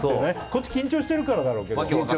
こっち緊張してるからだろうけど。